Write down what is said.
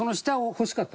欲しかった。